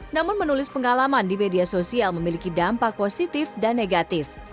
namun menulis pengalaman di media sosial memiliki dampak positif dan negatif